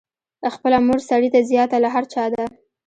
خپله مور سړي ته زیاته له هر چا ده.